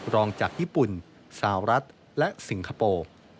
รองจากญี่ปุ่นสาวรัฐและสิงคโปร์